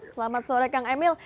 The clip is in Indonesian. selamat sore kang emil